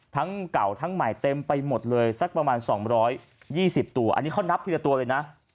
เก่าทั้งใหม่เต็มไปหมดเลยสักประมาณ๒๒๐ตัวอันนี้เขานับทีละตัวเลยนะ